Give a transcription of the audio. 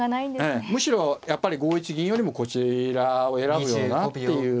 ええむしろやっぱり５一銀よりもこちらを選ぶよなっていう手ですよね。